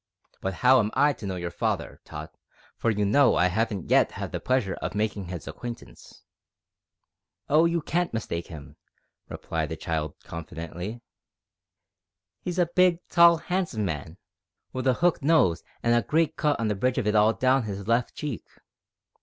But how am I to know your father, Tot, for you know I haven't yet had the pleasure of makin' his acquaintance?" "Oh, you can't mistake him," replied the child confidently. "He's a big, tall, 'andsome man, with a 'ook nose an' a great cut on the bridge of it all down 'is left cheek.